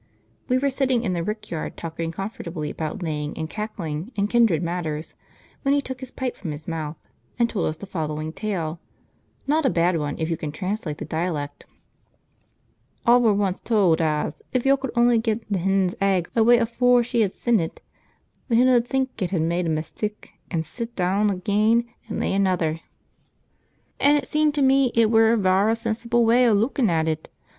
We were sitting in the rickyard talking comfortably about laying and cackling and kindred matters when he took his pipe from his mouth and told us the following tale not a bad one if you can translate the dialect: 'Aw were once towd as, if yo' could only get th' hen's egg away afooar she hed sin it, th' hen 'ud think it hed med a mistek an' sit deawn ageean an' lay another. "An' it seemed to me it were a varra sensible way o' lukkin' at it.